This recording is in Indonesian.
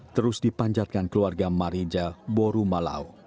terus dipanjatkan keluarga marija borumalau